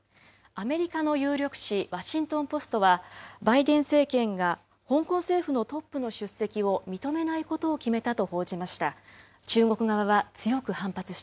アメリカの有力紙、ワシントン・ポストは、バイデン政権が香港政府のトップの出席を認めないことを決めたと報じました。